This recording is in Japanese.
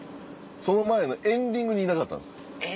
その前のエンディングにいなかったんです。